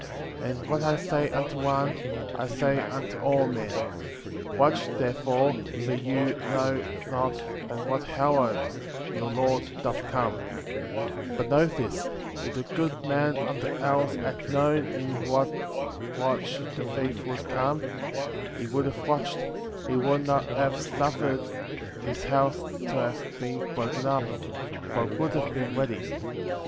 And what I say unto one, I say unto all men ; watch, therefore, for you know not at what hour your Lord doth come. 47. But know this, if the good man of the house had known in what watch the thief would come, he would have watched, and would not have sufferc' Digitized by VjOOQ IC 80 PEARL OF GREAT PRICE. his house to have been broken up, but would have been ready.